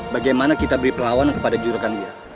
bagaimana kita beri perlawanan kepada juragamira